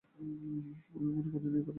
আমি মনে করি না এতে পাখিটার কোনো দোষ আছে।